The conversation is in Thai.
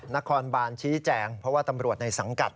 นครบานชี้แจงเพราะว่าตำรวจในสังกัด